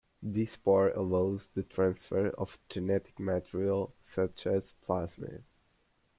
This pore allows the transfer of genetic material, such as a plasmid.